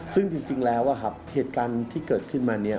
ซึ่งจริงแล้วเหตุการณ์ที่เกิดขึ้นมาเนี่ย